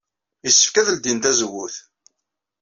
Yessefk ad ledyen tazewwut?